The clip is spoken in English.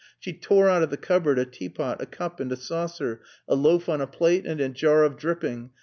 She tore out of the cupboard a teapot, a cup and a saucer, a loaf on a plate and a jar of dripping.